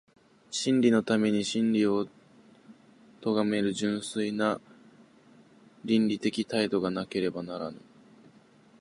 真理のために真理を究める純粋な理論的態度がなければならぬ。